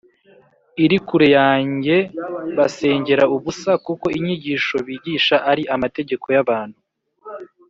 iri kure yanjye e Bansengera ubusa kuko inyigisho bigisha ari amategeko y abantu